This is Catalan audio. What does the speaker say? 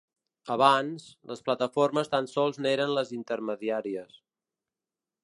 Abans, les plataformes tan sols n’eren les intermediàries.